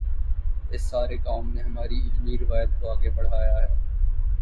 اس سارے کام نے ہماری علمی روایت کو آگے بڑھایا ہے۔